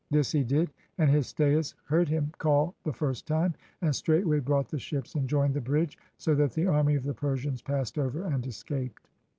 This he did, and Histiaeus heard him call the first time, and straightway brought the ships and joined the bridge, so that the army of the Persians passed over and escaped.